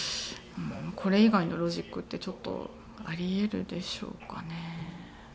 これ以外のロジックってちょっとあり得るでしょうかね。